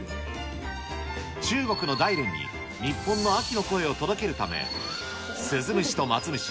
中国の大連に日本の秋の声を届けるため、スズムシとマツムシ